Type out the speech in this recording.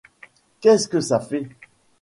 qu’est-ce que ça fait ?